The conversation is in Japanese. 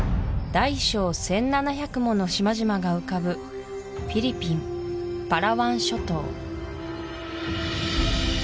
大小１７００もの島々が浮かぶフィリピンパラワン諸島